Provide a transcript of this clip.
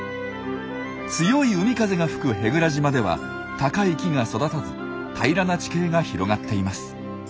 強い海風が吹く舳倉島では高い木が育たず平らな地形が広がっています。